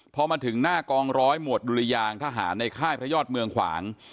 พอมาถึงหน้ากองร้อยหมวดดุริยางทหารในค่ายพระยอดเมืองขวาง